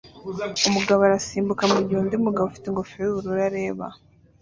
Umugabo arasimbuka mugihe undi mugabo ufite ingofero yubururu areba